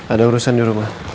ada urusan di rumah